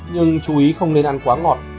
nhưng chú ý không nên ăn quá ngọt